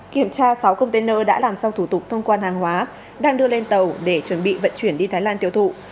kiểm tra sáu container đã làm xong thủ tục thông quan hàng hóa đang đưa lên tàu để chuẩn bị vận chuyển đi thái lan tiêu thụ